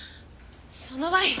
そのワイン